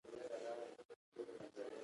دا کموالی د دې سبب کېږي چې توکي ونه پېري